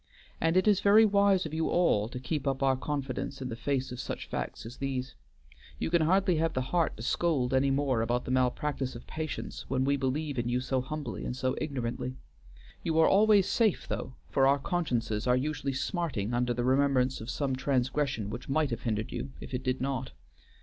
"And it is very wise of you all to keep up our confidence in the face of such facts as these. You can hardly have the heart to scold any more about the malpractice of patients when we believe in you so humbly and so ignorantly. You are always safe though, for our consciences are usually smarting under the remembrance of some transgression which might have hindered you if it did not.